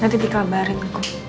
nanti dikabarin kok